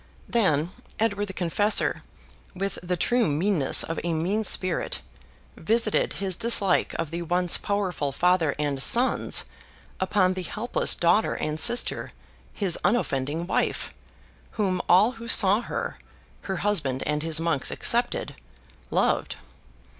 Then, Edward the Confessor, with the true meanness of a mean spirit, visited his dislike of the once powerful father and sons upon the helpless daughter and sister, his unoffending wife, whom all who saw her (her husband and his monks excepted) loved.